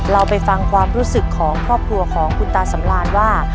เราไปฟังความรู้สึกของครอบครัวของคุณตาสำราญว่า